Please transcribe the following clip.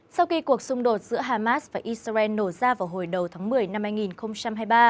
sau khi cuộc xung đột giữa hamas và israel nổ ra vào hồi đầu tháng một mươi năm hai nghìn hai mươi ba